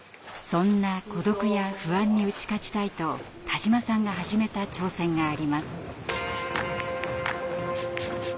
そんな孤独や不安に打ち勝ちたいと田島さんが始めた挑戦があります。